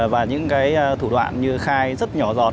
và những thủ đoạn như khai rất nhỏ dọt